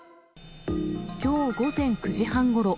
きょう午前９時半ごろ。